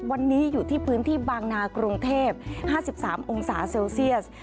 วันนี้อยู่ที่พื้นที่บางนากรุงเทพ๕๓องศาเซลเซียส